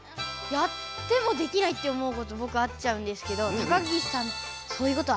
やってもできないって思うことぼくあっちゃうんですけど高岸さんそういうことありますか？